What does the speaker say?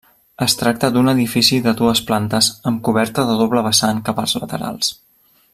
Es tracta d'un edifici de dues plantes amb coberta de doble vessant cap als laterals.